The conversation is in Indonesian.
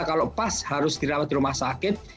kalau pas harus dirawat di rumah sakit